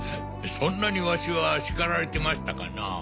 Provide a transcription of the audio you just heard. そんなにワシは叱られてましたかな。